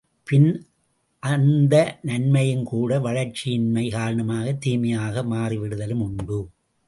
பின் அந்த நன்மையும் கூட வளர்ச்சியின்மையின் காரணமாகத் தீமையாக மாறிவிடுதலும் உண்டு.